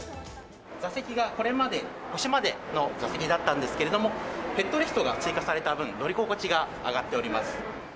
座席がこれまで、腰までの座席だったんですけれども、ヘッドレストが追加された分、乗り心地が上がっております。